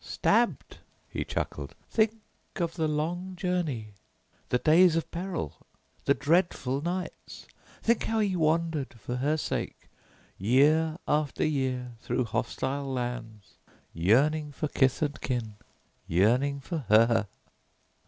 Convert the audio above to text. "Stabbed," he chuckled. "Think of the long journey, the days of peril, the dreadful nights! Think how he wandered, for her sake, year after year through hostile lands, yearning for kith and kin, yearning for her!"